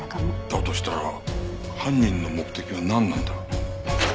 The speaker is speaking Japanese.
だとしたら犯人の目的はなんなんだ？